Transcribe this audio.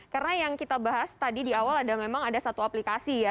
karena yang kita bahas tadi di awal ada memang ada satu aplikasi ya